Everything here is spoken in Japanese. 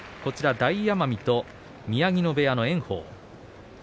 大奄美と宮城野部屋の炎鵬です。